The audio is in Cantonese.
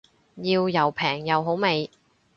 要又平又好味